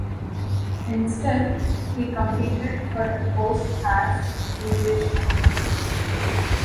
Instead, he competed for a post as musician.